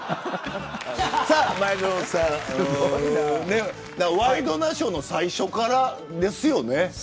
前園さん、ワイドナショーの最初からですよね。